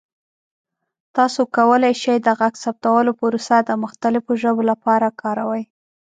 تاسو کولی شئ د غږ ثبتولو پروسه د مختلفو ژبو لپاره کاروئ.